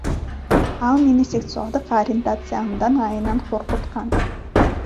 Ал мени сексуалдык ориентациямдын айынан коркуткан.